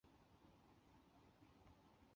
南北朝时为营州地。